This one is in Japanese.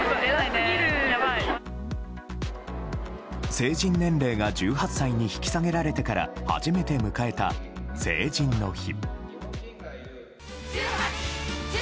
成人年齢が１８歳に引き下げられてから初めて迎えた、成人の日。